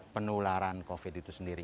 penularan covid itu sendiri